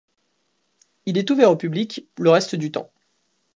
Il est ouvert au public le reste du temps.